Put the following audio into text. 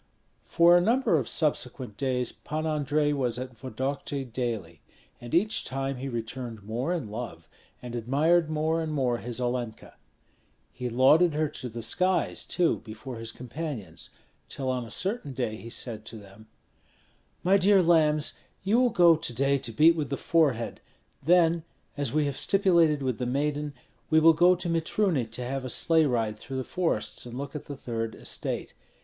For a number of subsequent days Pan Andrei was at Vodokty daily; and each time he returned more in love, and admired more and more his Olenka. He lauded her to the skies, too, before his companions, till on a certain day he said to them, "My dear lambs, you will go to day to beat with the forehead; then, as we have stipulated with the maiden, we will go to Mitruny to have a sleigh ride through the forests and look at the third estate.